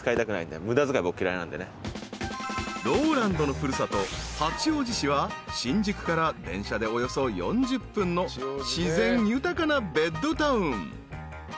［ＲＯＬＡＮＤの古里八王子市は新宿から電車でおよそ４０分の自然豊かなベッドタウン］